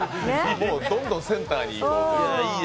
どんどんセンターに行こうという。